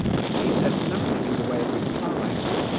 "He said nothing in the way of reply.